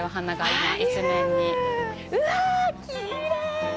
うわあ、きれい。